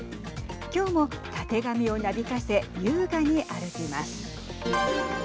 今日も、たてがみをなびかせ優雅に歩きます。